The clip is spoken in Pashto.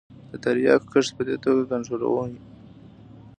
د تریاکو کښت په دې توګه کنترولوي.